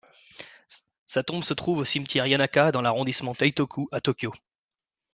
Sa tombe se trouve au cimetière Yanaka dans l'arrondissement Taitō-ku à Tokyo.